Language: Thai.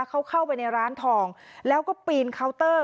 เขาเข้าไปในร้านทองแล้วก็ปีนเคาน์เตอร์